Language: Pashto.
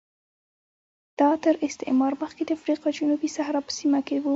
دا تر استعمار مخکې د افریقا جنوبي صحرا په سیمه کې و